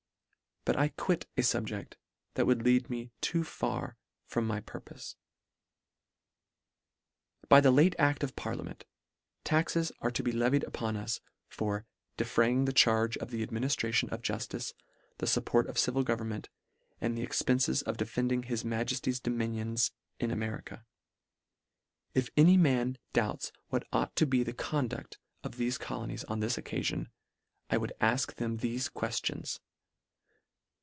But I quit a fubject, that would lead me too far from my purpofe. By the late acl of parliament, taxes are to be levied upon us, for " defraying the charge of the adminiftration of juftice, thefupport of civil government — and the expences of de fending his Majefty's dominions in America." 128 LETTER XI. If any man doubts what ought to be the conduct of thefe colonies on this occafion, I would afk them thefe queftions.